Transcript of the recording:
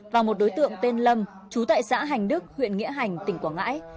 và một đối tượng tên lâm chú tại xã hành đức huyện nghĩa hành tỉnh quảng ngãi